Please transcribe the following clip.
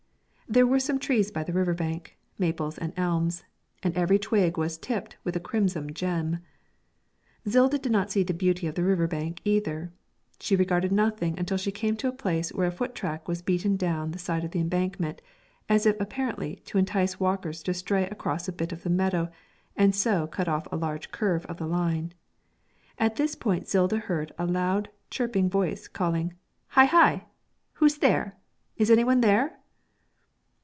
There were some trees by the river bank, maples and elms, and every twig was tipped with a crimson gem. Zilda did not see the beauty of the river bank either; she regarded nothing until she came to a place where a foot track was beaten down the side of the embankment, as if apparently to entice walkers to stray across a bit of the meadow and so cut off a large curve of the line. At this point Zilda heard a loud chirpy voice calling,'Hi! hi! who's there? Is any one there?'